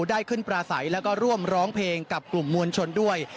ได้ขึ้นปลาใสแล้วก็ร่วมร้องเพลงกับกลุ่มมวลชนด้วย